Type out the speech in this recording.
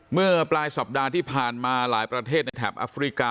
เมื่อปลายสัปดาห์ที่ผ่านมาหลายประเทศในแถบแอฟริกา